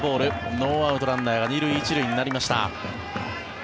ノーアウト、ランナーが２塁１塁になりました。